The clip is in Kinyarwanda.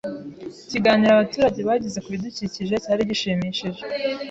Ikiganiro abaturage bagize ku bidukikije cyari gishimishije.